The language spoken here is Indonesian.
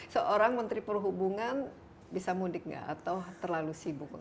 seorang menteri perhubungan bisa mudik nggak atau terlalu sibuk